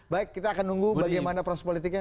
baik kita akan tunggu bagaimana proses politiknya